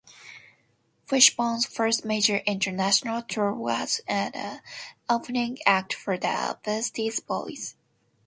Fishbone's first major international tour was as the opening act for the Beastie Boys.